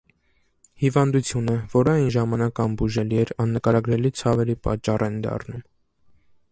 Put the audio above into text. Հիվանդությունը, որը այն ժամանակ անբուժելի էր, աննկարագրելի ցավերի պատճառ են դառնում։